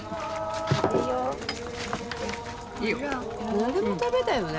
何でも食べたよね